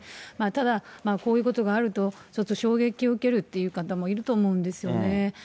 ただ、こういうことがあると、ちょっと衝撃を受けるっていう方もいると思うんですよね。